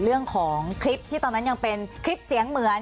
เรื่องของคลิปที่ตอนนั้นยังเป็นคลิปเสียงเหมือน